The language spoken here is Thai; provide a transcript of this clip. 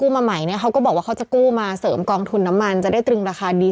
น้ำมันนิสเตอร์อาจจะได้การตรงราคาอยู่ใช่